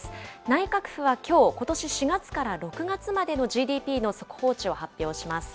内閣府はきょう、ことし４月から６月までのＧＤＰの速報値を発表します。